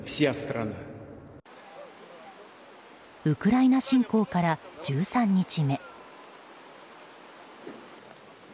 ウクライナ侵攻から１３日目。